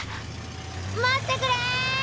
待ってくれ！